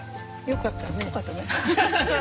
よかったね。